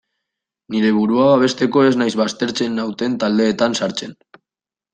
Nire burua babesteko ez naiz baztertzen nauten taldeetan sartzen.